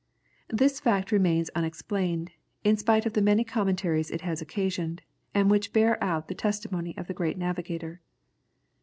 This fact remains unexplained, in spite of the many commentaries it has occasioned, and which bear out the testimony of the great navigator.